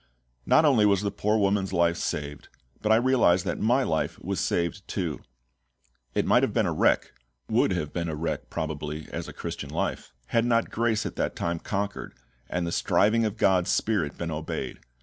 Not only was the poor woman's life saved, but I realised that my life was saved too! It might have been a wreck would have been a wreck probably, as a Christian life had not grace at that time conquered, and the striving of GOD'S SPIRIT been obeyed.